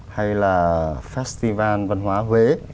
hay là festival văn hóa huế